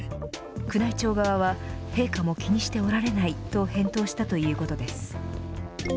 宮内庁側は陛下も気にしておられないと返答したということです。